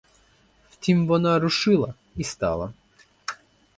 Втім вона рушила і стала.